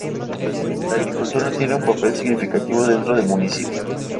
La agricultura tiene un papel significativo dentro del municipio.